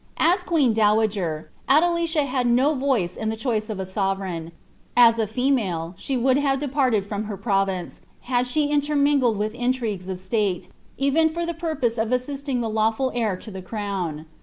As a queen dowager. Adelicia had no voice in the choice of a toTWMgn ; as a female, she would have departed from her province, had lbs intermeddled with intrigues of stale, even for the purpose of aseisi isg tht lawful heir to tlie crown.